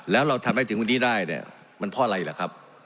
แล้วเราทำให้ถึงวันนี้ได้เนี่ยมันเพราะอะไรล่ะครับ